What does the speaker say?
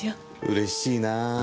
うれしいなぁ。